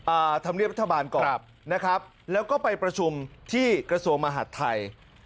ธรรมเนียบรัฐบาลก่อนครับนะครับแล้วก็ไปประชุมที่กระทรวงมหาดไทย